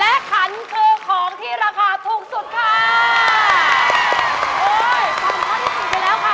และขันคือของที่ราคาถูกสุดค่ะ